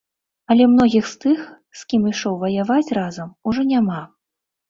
Але многіх з тых, з кім ішоў ваяваць разам, ужо няма.